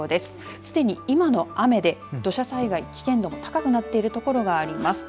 すでに今の雨で土砂災害危険度が高くなっている所があります。